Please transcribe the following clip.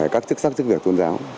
các chức sắc chức việc tôn giáo